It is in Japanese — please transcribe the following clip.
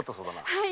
はい。